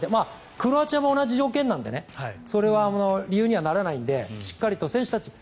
クロアチアも同じ条件なのでそれは理由にはならないのでしっかりと選手たち